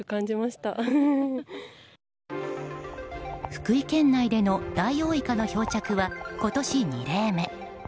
福井県内でのダイオウイカの漂着は今年２例目。